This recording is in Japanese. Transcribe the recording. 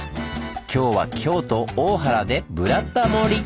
今日は京都・大原で「ブラタモリ」！